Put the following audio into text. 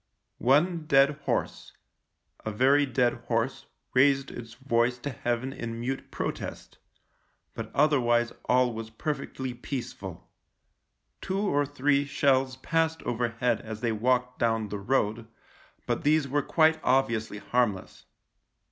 One dead horse — a very dead horse — raised its voice to heaven in mute protest ; but otherwise all was perfectly peaceful. Two or three shells passed overhead as they walked down the road, but these were quite obviously harmless.